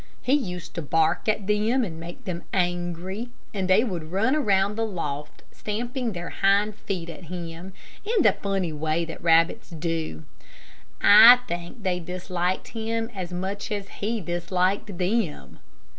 He used to bark at them and make them angry, and they would run around the loft, stamping their hind feet at him, in the funny way that rabbits do. I think they disliked him as much as he disliked them.